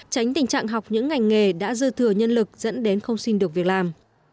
tránh tình trạng học những ngành nghề đã dư thừa nhân lực dẫn đến không xin được việc làm